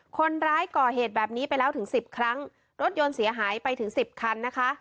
คนร้ายก่อเหตุแบบนี้ไปแล้วถึงสิบครั้งรถยนต์เสียหายไปถึงสิบคันนะคะ